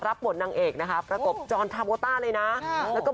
รับบทนางเอกนะคะประกบจรทาโบต้าเลยนะแล้วก็